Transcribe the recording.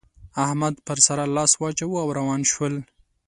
احمد پر سارا لاس واچاوو او روان شول.